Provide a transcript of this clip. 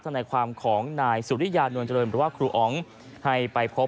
นายความของนายสุริยานวลเจริญหรือว่าครูอ๋องให้ไปพบ